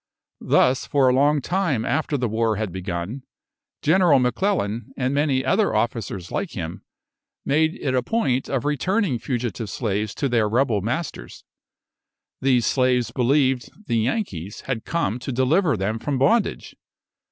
Thus, for a long time after the war had begun, General M'Clellan, and many other officers like him, made it a point of returning fugitive slaves to their rebel masters. These slaves believed "the Yankees" had come to deliver them from bondage.